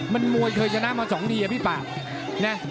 มันมวยเคยชนะมาสองวีดีห์อะไรพี่ป่า